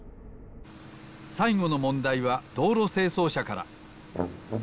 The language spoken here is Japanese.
さいごのもんだいはどうろせいそうしゃから。